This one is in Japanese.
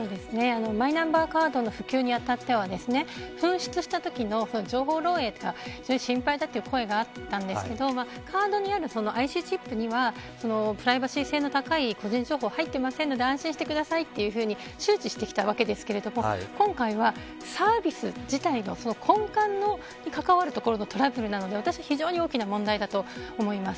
マイナンバーカードの普及に当たっては紛失したときの情報漏えいとかが心配という声がありましたがカードにあるＩＣチップにはプライバシー性の高い個人情報が入っていませんので安心してくださいというふうに周知してきたわけですが今回はサービス自体の根幹に関わるトラブルなので非常に大きな問題だと思います。